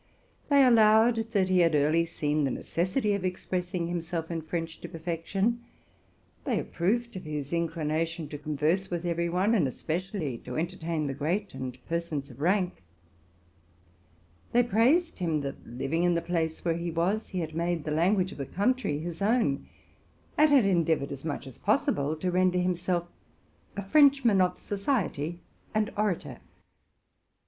They allowed that he had early seen the necessity of expressing himself in French to perfection ; they approved of his inclination to converse with every one, and especially to entertain the great and persons of rank; they praised him, that, living in the place where he was, he had made the language of the country his own, and had endeav ored as much as possible to render himself a Frenchman of society, and orator.